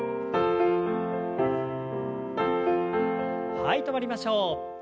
はい止まりましょう。